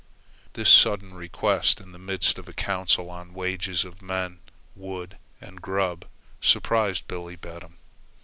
This sudden request in the midst of a council on wages of men, wood, and grub surprised Billebedam.